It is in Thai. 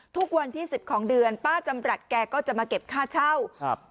ทุกวันที่สิบของเดือนป้าจำรัฐแกก็จะมาเก็บค่าเช่าครับ